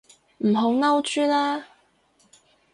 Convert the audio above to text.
唔好嬲豬啦